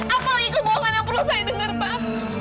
apa lagi kebohongan yang perlu saya dengar pak